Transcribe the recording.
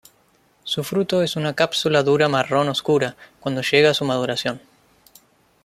Su fruto es una cápsula dura marrón oscura cuando llega su maduración.